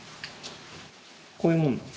こういうもんなん？